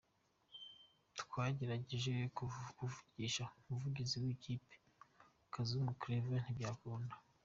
Twagerageje kuvugisha umuvugizi w’iyi kipe, Kazungu Claver ntibyakunda.